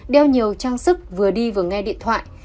đeo nhiều trang sức vừa đi vừa nghe điện thoại